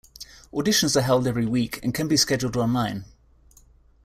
Auditions are held every week and can be scheduled online.